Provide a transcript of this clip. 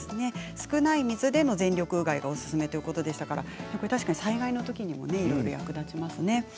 少ない水での全力うがいがおすすめということでしたから災害のときにもいろいろ役立ちますね。